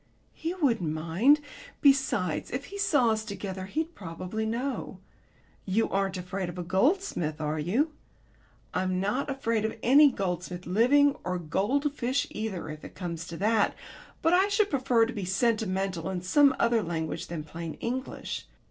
"He wouldn't mind. Besides, if he saw us together he'd probably know. You aren't afraid of a goldsmith, are you?" "I'm not afraid of any goldsmith living or goldfish either, if it come to that. But I should prefer to be sentimental in some other language than plain English.